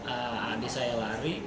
adik saya lari